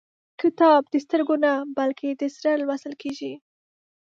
کتاب د سترګو نه، بلکې د زړه لوستل کېږي.